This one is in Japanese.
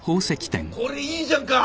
これいいじゃんか！